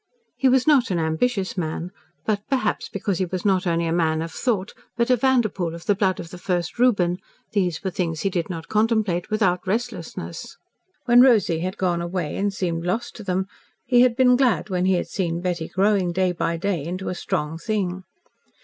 He was not an ambitious man, but perhaps because he was not only a man of thought, but a Vanderpoel of the blood of the first Reuben these were things he did not contemplate without restlessness. When Rosy had gone away and seemed lost to them, he had been glad when he had seen Betty growing, day by day, into a strong thing.